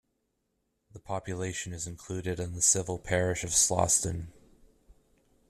The population is included in the civil parish of Slawston.